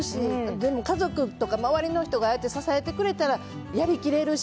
でも家族とか、周りの人がああやって支えてくれたらやりきれるし、